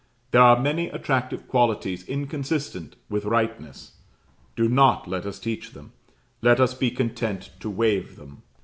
There are many attractive qualities inconsistent with rightness; do not let us teach them, let us be content to waive them.